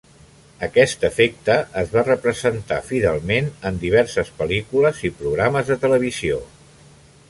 Aquest efecte es va representar fidelment en diverses pel·lícules i programes de televisió.